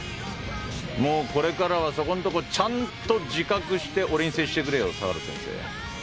もうこれからはそこんとこちゃんと自覚して俺に接してくれよ相良先生。